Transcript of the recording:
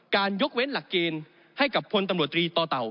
ยกเว้นหลักเกณฑ์ให้กับพลตำรวจตรีต่อเต่า